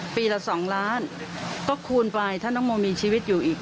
ปีละ๒ล้านก็คูณไปถ้าน้องโมมีชีวิตอยู่อีก